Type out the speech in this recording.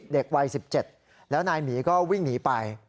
เด็กวัย๑๗แล้วนายหมีก็วิ่งหนีไป